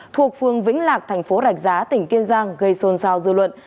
thuộc phường vĩnh lạc thành phố rạch giá tỉnh kiên giang gây xôn xao dư luận